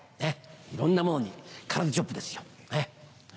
いろんなものに空手チョップですよねっ。